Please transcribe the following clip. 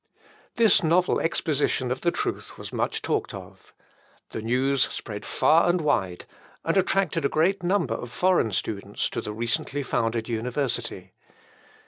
This novel exposition of the truth was much talked of. The news spread far and wide, and attracted a great number of foreign students to the recently founded university.